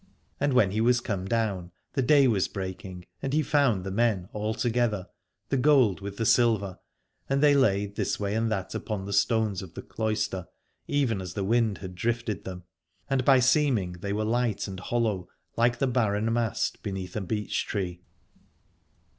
And when he was come down the day was break ing, and he found the men all together, the gold with the silver, and they lay this way and that upon the stones of the cloister, even as the wind had drifted them : and by seem ing they were light and hollow, like the barren mast beneath a beech tree.